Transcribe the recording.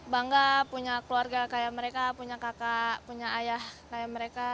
bangga punya keluarga kayak mereka punya kakak punya ayah kayak mereka